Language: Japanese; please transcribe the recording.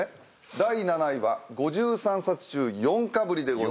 第７位は５３冊中４かぶりでございます。